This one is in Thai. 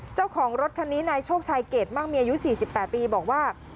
เจ้าของรถคันนี้นายโชคชัยเกรดมั่งมีอายุ๔๘ปีบอกว่า